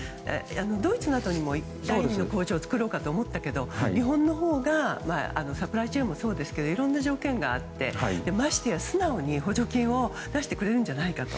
ドイツなどにも第２の工場を作ろうと思ったけど日本のほうがサプライチェーンもそうですけどいろんな条件があってましてや、素直に補助金を出してくれるんじゃないかと。